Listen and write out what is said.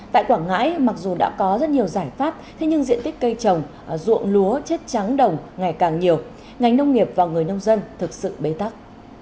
tại quảng ngãi mặc dù đã có rất nhiều giải pháp thế nhưng diện tích cây trồng ruộng lúa chết trắng đồng ngày càng nhiều ngành nông nghiệp và người nông dân thực sự bế tắc